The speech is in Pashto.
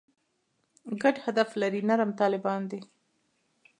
ګډ هدف لري «نرم طالبان» دي.